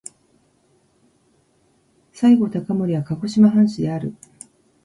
西郷隆盛は鹿児島藩士である。